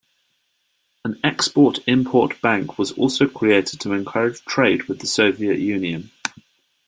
An Export-Import Bank was also created to encourage trade with the Soviet Union.